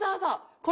これ。